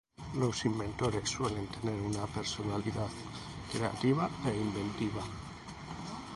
Los inventores suelen tener una "personalidad creativa" e inventiva.